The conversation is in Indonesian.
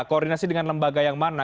koordinasi dengan lembaga yang mana